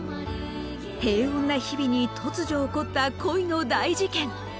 平穏な日々に突如起こった恋の大事件。